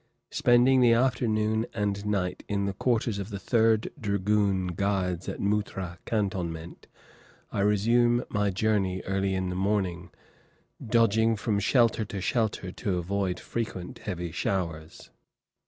Spending the afternoon and night in the quarters of the Third Dragoon Guards at Muttra Cantonment, I resume my journey early in the morning, dodging from shelter to shelter to avoid frequent heavy showers.